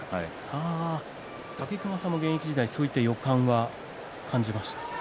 武隈さんは現役時からそういう予感は感じましたか。